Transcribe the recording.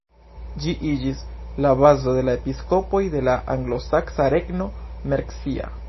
Ĝi iĝis la bazo de la episkopoj de la anglosaksa regno Mercia.